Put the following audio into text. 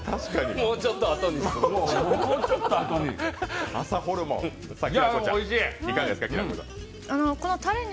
もうちょっとあとに。